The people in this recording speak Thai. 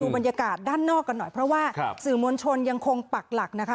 บรรยากาศด้านนอกกันหน่อยเพราะว่าสื่อมวลชนยังคงปักหลักนะคะ